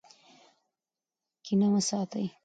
کینه مه ساتئ.